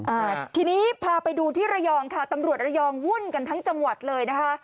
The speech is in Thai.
อ่าทีนี้พาไปดูที่ระยองค่ะตำรวจระยองวุ่นกันทั้งจังหวัดเลยนะคะ